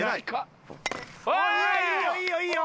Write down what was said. いいよいいよいいよいいよ！